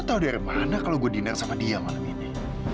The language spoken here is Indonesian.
lu tau dari mana kalo gue dinner sama dia malem ini